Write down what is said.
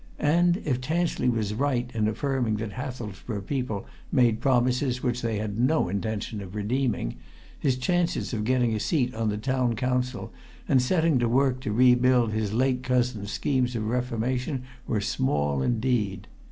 And, if Tansley was right in affirming that Hathelsborough people made promises which they had no intention of redeeming, his chances of getting a seat on the Town Council and setting to work to rebuild his late cousin's schemes of reformation were small indeed.